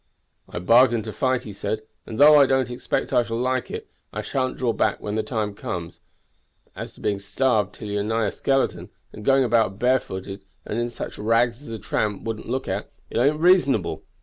"I bargained to fight," he said, "and though I don't expect I shall like it, I sha'n't draw back when the time comes; but as to being starved till you are nigh a skeleton, and going about barefooted and in such rags as a tramp wouldn't look at, it ain't reasonable."